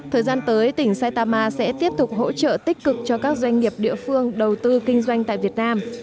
thời gian tới tỉnh saitama sẽ tiếp tục hỗ trợ tích cực cho các doanh nghiệp địa phương đầu tư kinh doanh tại việt nam